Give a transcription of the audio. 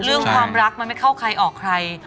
เรื่องความรักมันไม่เข้าใครออกใคร